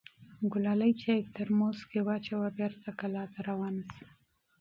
ګلالۍ چای په ترموز کې واچوه او بېرته کلا ته روانه شوه.